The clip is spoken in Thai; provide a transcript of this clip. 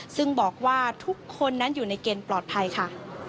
ซึ่งบอกว่าทุกคนนั้นอยู่ในเกณฑ์ปลอดภัยค่ะ